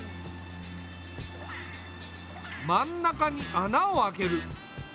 真ん中に穴を開ける。